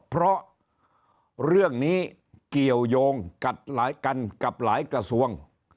เพราะเรื่องนี้เกี่ยวยงกัดหลายกันกับหลายกระทรวง